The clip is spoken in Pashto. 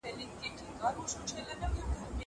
هغه وويل چي سپينکۍ مينځل ضروري دي!